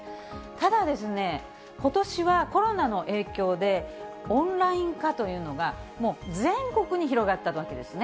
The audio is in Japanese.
ただ、ことしはコロナの影響で、オンライン化というのがもう全国に広がったわけですね。